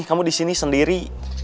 kamu disini sendiri